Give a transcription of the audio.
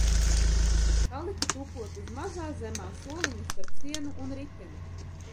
Paliku tupot uz mazā zemā soliņa starp sienu un riteni.